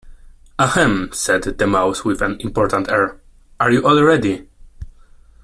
‘Ahem!’ said the Mouse with an important air, ‘are you all ready?’